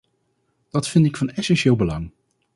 Dat vind ik van essentieel belang.